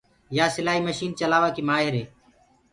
يآ سِلآئي مشن چلآوآ ڪيٚ مآهر هي۔